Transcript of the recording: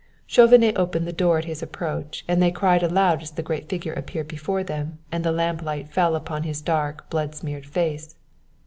Chauvenet opened the door at his approach, and they cried aloud as the great figure appeared before them and the lamplight fell upon his dark blood smeared face.